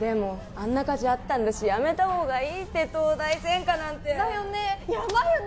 あんな火事あったんだしやめたほうがいいって東大専科なんてだよねやばいよね